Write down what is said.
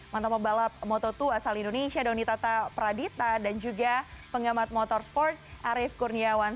mantan pembalap moto dua asal indonesia doni tata pradita dan juga pengamat motorsport arief kurniawan